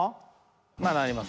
まだあります。